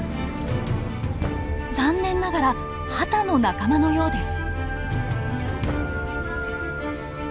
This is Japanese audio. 残念ながらハタの仲間のようです。